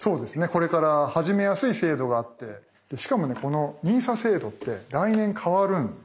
これから始めやすい制度があってしかもねこのＮＩＳＡ制度って来年変わる。